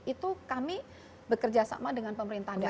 itu kami bekerja sama dengan pemerintah daerah